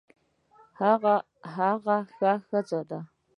هغه ښه ښځه ده